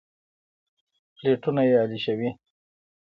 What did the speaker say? پلېټونه يې الېشوي.